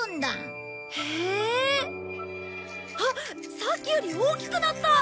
あっさっきより大きくなった！